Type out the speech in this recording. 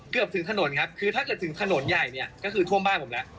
ถึงถนนครับคือถ้าเกิดถึงถนนใหญ่เนี่ยก็คือท่วมบ้านผมแล้ว